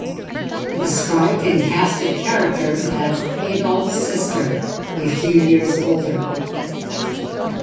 Described in cast of characters as 'Adolf's sister, a few years older.